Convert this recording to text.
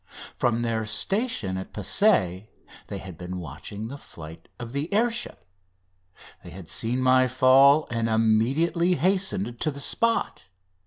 From their station at Passy they had been watching the flight of the air ship. They had seen my fall, and immediately hastened to the spot.